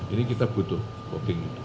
ini kita butuh fogging